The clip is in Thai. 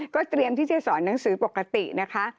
เตรียมที่จะสอนหนังสือปกตินะคะ